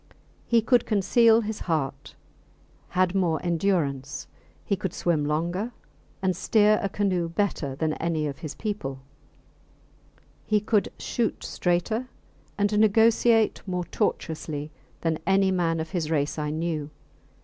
He could conceal his heart; had more endurance; he could swim longer, and steer a canoe better than any of his people; he could shoot straighter, and negotiate more tortuously than any man of his race I knew.